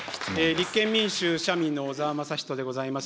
立憲民主・社民の小沢雅仁でございます。